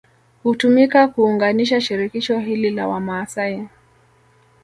Htumika kuunganisha shirikisho hili la Wamaasai